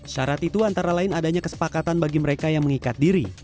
syarat itu antara lain adanya kesepakatan bagi mereka yang mengikat diri